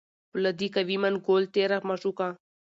پولادي قوي منګول تېره مشوکه